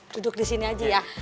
duduk di sini aja ya